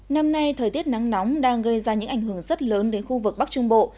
năm nay thời tiết nắng nóng đang gây ra những ảnh hưởng rất lớn đến khu vực bắc trung bộ